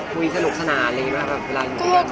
คุยสนุกสนานอะไรแบบเวลาอยู่ดี